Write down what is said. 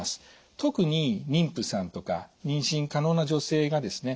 特に妊婦さんとか妊娠可能な女性がですね